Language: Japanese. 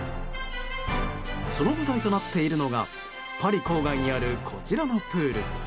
その舞台となっているのがパリ郊外にあるこちらのプール。